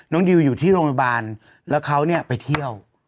น้องดิวอยู่ที่โรงพยาบาลแล้วเขาไปเที่ยว